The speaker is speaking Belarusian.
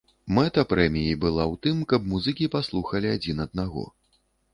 Мэта прэміі была ў тым, каб музыкі паслухалі адзін аднаго.